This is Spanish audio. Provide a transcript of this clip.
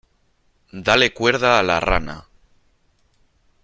Dale cuerda a la rana .